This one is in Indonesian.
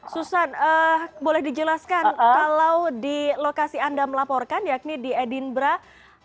susan boleh dijelaskan kalau di lokasi anda melaporkan yakni di edinburgh